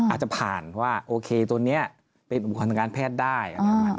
อาจจะผ่านว่าโอเคตัวนี้เป็นอุปกรณ์ทางการแพทย์ได้